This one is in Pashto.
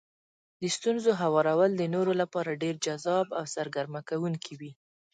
د ستونزو هوارول د نورو لپاره ډېر جذاب او سرګرمه کوونکي وي.